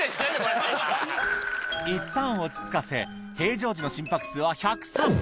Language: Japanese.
いったん落ち着かせ平常時の心拍数は１０３